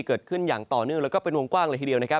เกิดขึ้นอย่างต่อเนื่องแล้วก็เป็นวงกว้างเลยทีเดียวนะครับ